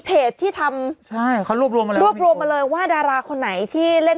ที่ทำใช่เขารวบรวมมาเลยรวบรวมมาเลยว่าดาราคนไหนที่เล่น